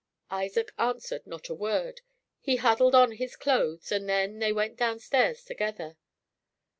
Isaac answered not a word. He huddled on his clothes, and then they went downstairs together.